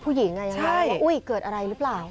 ผู้หญิงอย่างนั้นว่าเกิดอะไรหรือเปล่าใช่